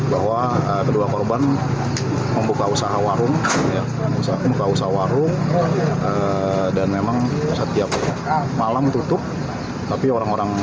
bahwa kedua korban membuka usaha warung dan memang setiap malam tutup tapi orang orang